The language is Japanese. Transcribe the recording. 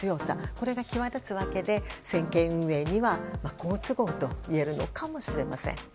これが際立つわけで政権運営には好都合といえるのかもしれません。